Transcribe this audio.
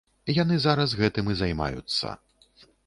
Яны зараз гэтым і займаюцца.